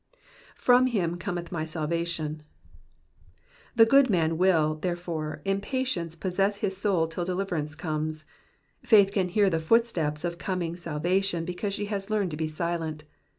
^^From him oometh my mhation.'''' The good man will, therefore, in patience possess his soul till deliverance comes : faith can hear the footsteps of coming salvation, because she has learned to be silent.